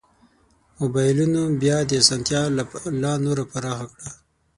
مبایلونو بیا دا اسانتیا لا نوره پراخه کړه.